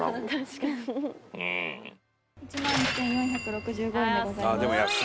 １万１，４６５円でございます。